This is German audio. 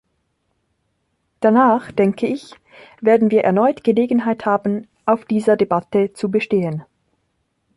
Danach, denke ich, werden wir erneut Gelegenheit haben, auf dieser Debatte zu bestehen.